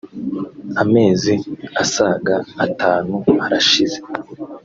Amezi asaga atanu arashize